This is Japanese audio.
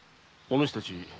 お主たち